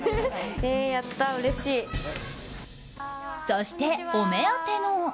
そして、お目当ての。